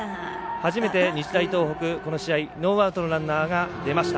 初めて日大東北、この試合ノーアウトのランナーが出ました。